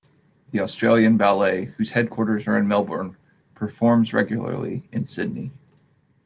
The Australian Ballet, whose headquarters are in Melbourne, performs regularly in Sydney.